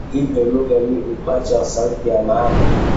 Hivyo lugha ni upacha wa sauti na maana